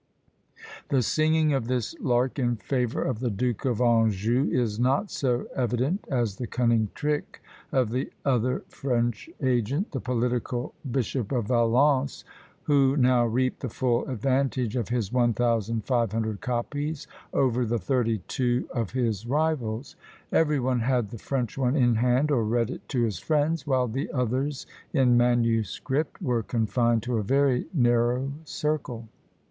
The singing of this lark in favour of the Duke of Anjou is not so evident as the cunning trick of the other French agent, the political Bishop of Valence, who now reaped the full advantage of his 1500 copies over the thirty two of his rivals. Every one had the French one in hand, or read it to his friends; while the others, in manuscript, were confined to a very narrow circle.